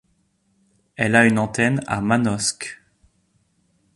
Elle a une antenne à Manosque.